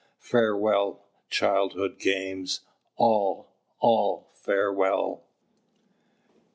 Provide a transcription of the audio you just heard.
Farewell, childhood, games, all, all, farewell!